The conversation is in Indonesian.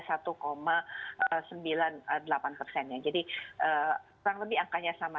jadi kurang lebih angkanya sama